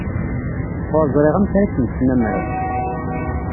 Ur ẓriɣ amek ara kem-snamreɣ.